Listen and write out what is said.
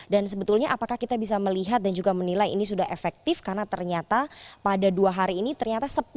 dan sebetulnya apakah kita bisa melihat dan juga menilai ini sudah efektif karena ternyata pada dua hari ini ternyata sepi peminat